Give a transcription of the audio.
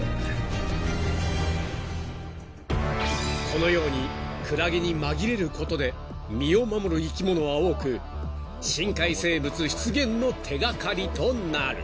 ［このようにクラゲに紛れることで身を守る生き物は多く深海生物出現の手掛かりとなる］